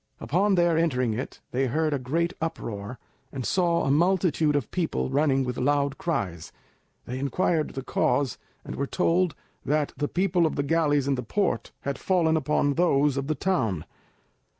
Upon their entering it they heard a great uproar, and saw a multitude of people running with loud cries. They inquired the cause, and were told that the people of the galleys in the port had fallen upon those of the town.